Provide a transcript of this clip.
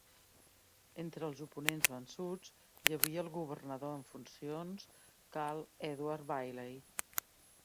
Entre els oponents vençuts hi havia el governador en funcions Carl Edward Bailey.